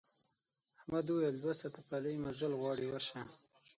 احمد وویل دوه ساعته پلی مزل غواړي ورشه.